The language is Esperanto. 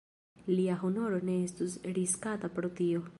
Lia honoro ne estus riskata pro tio.